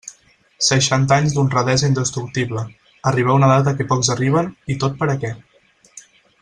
Seixanta anys d'honradesa indestructible, arribar a una edat a què pocs arriben, i tot per a què?